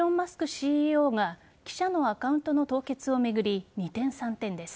ＣＥＯが記者のカウントの凍結を巡り二転三転です。